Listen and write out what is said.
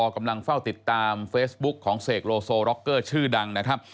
กำลังเฝ้าติดตามเฟซบุ๊กของเสกโลโซร็อกเกอร์ชื่อดังนะครับ